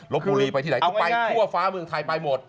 รบบูรีไปที่ไหนทั่วฟ้าเมืองไทยไปหมด